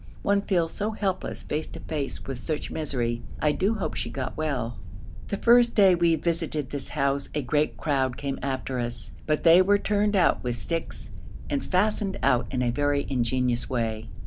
One feels so helpless face to face with such misery. I do hope she got well. The first day we visited this house a great crowd came after us, but they were turned out with sticks and fastened out in a very ingenious way.